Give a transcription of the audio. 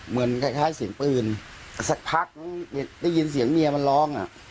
เหมือนคล้ายเสียงปืนสักพักนึงได้ยินเสียงเมียมันร้องอ่ะ